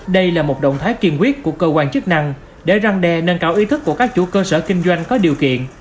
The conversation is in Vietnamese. đây là một động thái kiên quyết của cơ quan chức năng để răng đe nâng cao ý thức của các chủ cơ sở kinh doanh có điều kiện